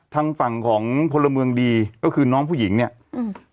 ทางฝั่งของพลเมืองดีก็คือน้องผู้หญิงเนี้ยอืม